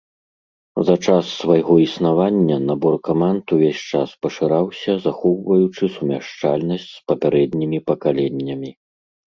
За час свайго існавання набор каманд увесь час пашыраўся, захоўваючы сумяшчальнасць з папярэднімі пакаленнямі.